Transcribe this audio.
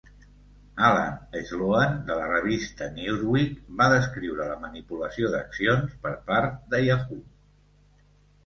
Allan Sloan, de la revista "Newsweek", va descriure la manipulació d'accions per part de Yahoo!